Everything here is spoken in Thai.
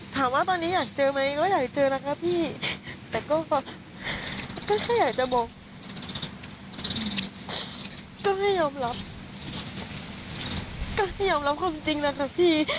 ถามว่าตอนนี้อยากเจอไหมก็อยากเจอนะคะพี่แต่ก็แค่อยากจะบอกก็ไม่ยอมรับก็ไม่ยอมรับความจริงแล้วค่ะพี่